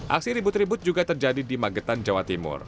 aksi ribut ribut juga terjadi di magetan jawa timur